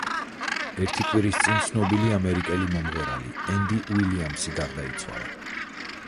ერთი კვირის წინ, ცნობილი ამერიკელი მომღერალი ენდი უილიამსი გარდაიცვალა.